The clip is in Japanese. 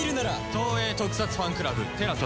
東映特撮ファンクラブＴＥＬＡＳＡで。